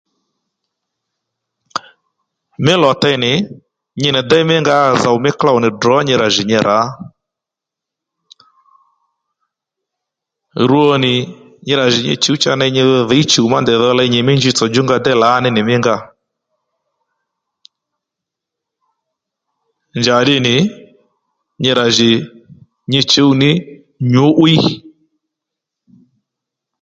Mí lò-tey nì nyi nì dey mí ngǎ zòw mí klôw nì drǒ nyi rà jì nyi rǎ rwo nì nyi rà jì nyi chùw dhǐy cha ney ndèy dho ley nyimí njitsò djúnga déy lǎní nì mí nga njàddí nì nyi rà jì nyi chǔw ní nyǔ'wiy